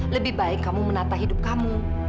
lebih baik kamu menata hidup kamu